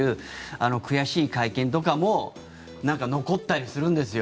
あの悔しい会見とかも残ったりするんですよ。